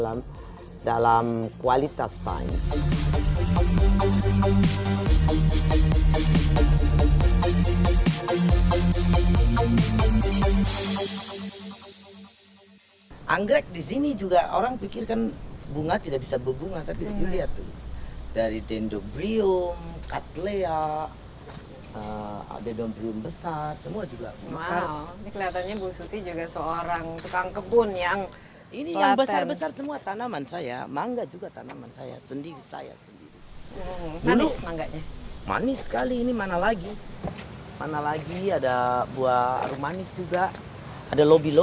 ayam ayamnya kejar tuh ambil